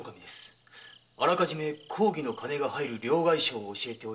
あらかじめ公儀の金が入る両替商を教えて盗み出させるのです。